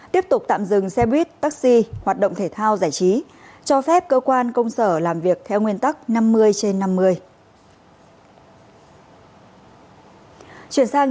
tiếp tục tạm dừng xe buýt taxi hoạt động thể thao giải trí cho phép cơ quan công sở làm việc theo nguyên tắc năm mươi trên năm mươi